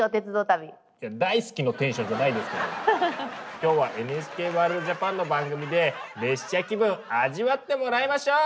きょうは「ＮＨＫワールドＪＡＰＡＮ」の番組で列車気分味わってもらいましょう！